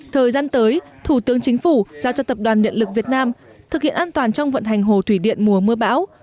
thời gian tới thủ tướng chính phủ giao cho tập đoàn điện lực việt nam thực hiện an toàn trong vận hành hồ thủy điện mùa mưa bão